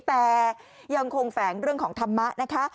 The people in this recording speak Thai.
แต่ยังคงแฝงเรื่องของธรรมะนะคะ